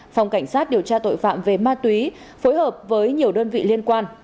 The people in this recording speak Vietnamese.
phòng cảnh sát điều tra tội phạm về ma túy phối hợp với nhiều đơn vị liên quan